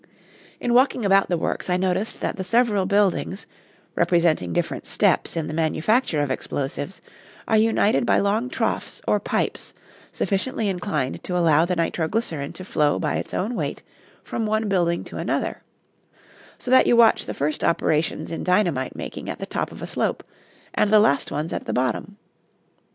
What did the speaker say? In walking about the works I noticed that the several buildings, representing different steps in the manufacture of explosives, are united by long troughs or pipes sufficiently inclined to allow the nitroglycerin to flow by its own weight from one building to another, so that you watch the first operations in dynamite making at the top of a slope, and the last ones at the bottom.